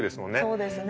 そうですね。